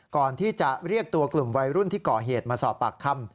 ก่อนที่จะเรียกตัวกลุ่มวัยรุ่นที่ก่อเหตุมาสอบปากคำ